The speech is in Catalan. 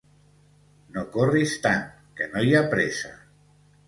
No corris tant que no hi ha pressa